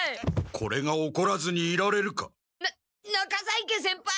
これがおこらずにいられるか。な中在家先輩！